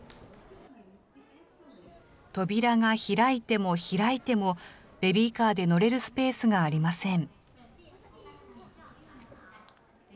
扉が開いても開いても、ベビーカーで乗れるスペースがありません。